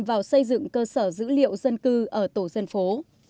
vào xây dựng cơ sở dữ liệu dân cư ở tổ dân phố